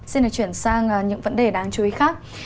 xin được chuyển sang những vấn đề đáng chú ý khác